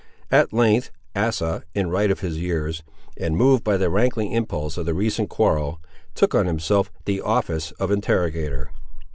At length Asa, in right of his years, and moved by the rankling impulse of the recent quarrel, took on himself the office of interrogator.